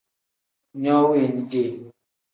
No weni ge.